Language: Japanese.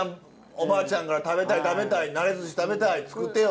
おばあちゃんから「食べたい食べたいなれずし食べたい作ってよ」。